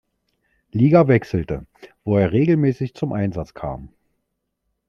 Liga wechselte, wo er regelmäßig zum Einsatz kam.